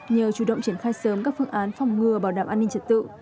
nhờ chủ động triển khai sớm các phương án phòng ngừa bảo đảm an ninh trật tự